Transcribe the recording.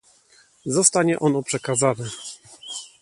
Zostanie ono przekazane